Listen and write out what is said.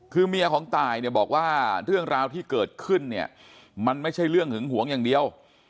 คือเมียของตายเนี่ยบอกว่าเรื่องราวที่เกิดขึ้นเนี่ยมันไม่ใช่เรื่องหึงหวงอย่างเดียว